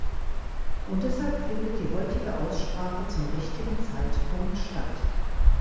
Und deshalb findet die heutige Aussprache zum richtigen Zeitpunkt statt.